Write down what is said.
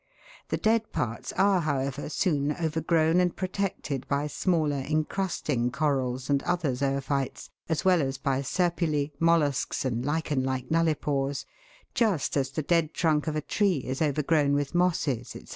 The dead parts are, however, soon overgrown and protected by smaller encrusting corals and other zoophytes, as well as by serpulae, mollusks, and lichen like nullipores, just as the dead trunk of a tree is overgrown with mosses, &c.